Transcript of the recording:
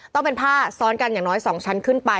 ต้องเป็นผ้าซ้อนกันอย่างน้อย๒ชั้นขึ้นไป